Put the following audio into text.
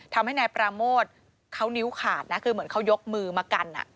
ทำให้นายปราโมทเขานิ้วขาดนะคือเหมือนเขายกมือมากัน